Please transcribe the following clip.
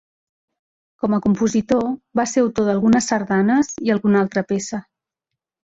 Com a compositor va ser autor d'algunes sardanes i alguna altra peça.